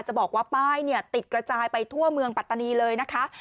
จะบอกว่าป้ายเนี่ยติดกระจายไปทั่วเมืองปัตตานีเลยนะคะ